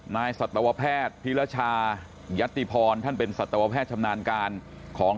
สัตวแพทย์พิรชายัตติพรท่านเป็นสัตวแพทย์ชำนาญการของ